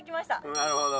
なるほど。